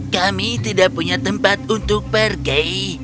kami tidak punya tempat untuk pergi